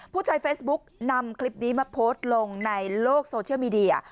ผู้ใช้เฟซบุ๊กนำคลิปนี้มาโพสต์ลงในโลกโซเชียลมีเดีย